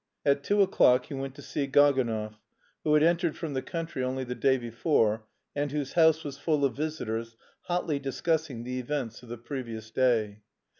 At two o'clock he went to see Gaganov, who had arrived from the country only the day before, and whose house was full of visitors hotly discussing the events of the previous day.